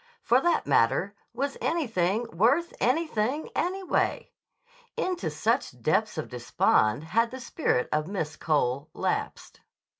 For that matter, was anything worth anything, anyway? Into such depths of despond had the spirit of Miss Cole lapsed.